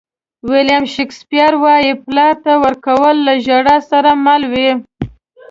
ویلیام شکسپیر وایي پلار ته ورکول له ژړا سره مل وي.